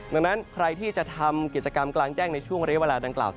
ดังนั้นใครที่จะทำกิจกรรมกลางแจ้งในช่วงเรียกเวลาดังกล่าว